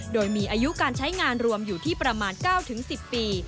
โดยมีอายุการใช้งานรวมอยู่ที่ประมาณ๙๑๐ปี